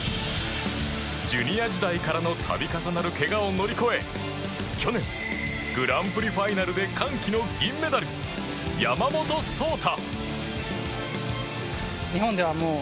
ジュニア時代からの度重なる怪我を乗り越え去年、グランプリファイナルで歓喜の銀メダル、山本草太。